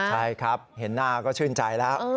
ใช่ครับเห็นหน้าก็ชื่นใจแล้ว